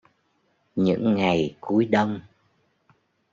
Những ngày cuối Đông